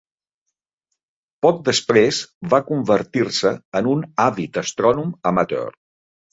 Poc després, va convertir-se en un àvid astrònom amateur.